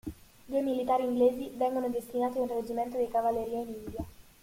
Due militari inglesi vengono destinati a un reggimento di cavalleria in India.